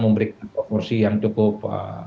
memberikan proporsi yang cukup